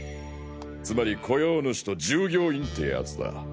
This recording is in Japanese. つまり雇用主と従業員ってやつだ。